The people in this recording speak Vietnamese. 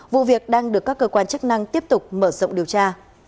vụ việc đang được các cơ quan chức năng tiếp tục mở rộng điều tra